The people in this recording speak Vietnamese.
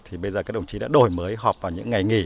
thì bây giờ các đồng chí đã đổi mới họp vào những ngày nghỉ